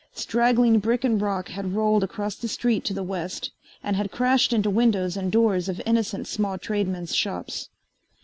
Straggling brick and rock had rolled across the street to the west and had crashed into windows and doors of innocent small tradesmen's shops.